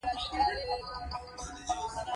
خدای دې غرق کړه لکه غرق چې یې.